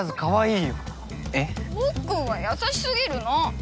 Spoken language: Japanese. ほっくんは優しすぎるの。